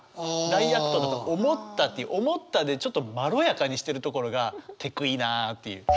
大悪党だと思った」っていう「思った」でちょっとまろやかにしてるところがテクいなあっていう。